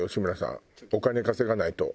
お金稼がないと。